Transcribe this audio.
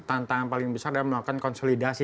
tantangan paling besar adalah melakukan konsolidasi